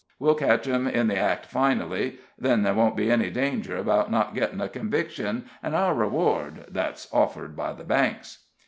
We'll catch 'em in the act finally; then there won't be any danger about not getting a conviction, an' our reward, that's offered by the banks."